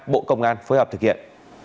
bộ công an phối hợp thực hiện